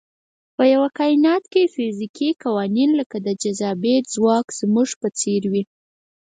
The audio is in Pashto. په یوه کاینات کې فزیکي قوانین لکه د جاذبې ځواک زموږ په څېر وي.